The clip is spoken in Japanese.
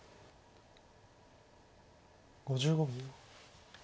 ５５秒。